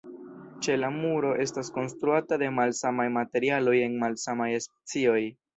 Ĉela muro estas konstruata de malsamaj materialoj en malsamaj specioj.